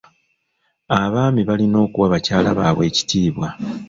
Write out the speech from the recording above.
Abaami balina okuwa bakyala baabwe ekitiibwa.